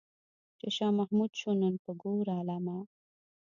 چې شاه محمود شو نن په کور عالمه.